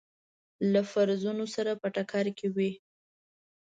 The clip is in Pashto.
له فرضونو سره په ټکر کې وي.